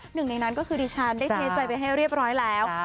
หนึ่งในนั้นก็คือดิฉันได้เทใจไปให้เรียบร้อยแล้ว